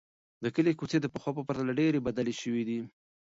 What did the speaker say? د کلي کوڅې د پخوا په پرتله ډېرې بدلې شوې دي.